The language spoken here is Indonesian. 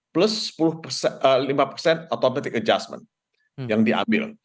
plus lima penyesuaian otomatis yang diambil